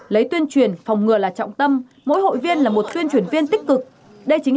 lấy tuyên truyền phòng ngừa là trọng tâm mỗi hội viên là một tuyên truyền viên tích cực đây chính là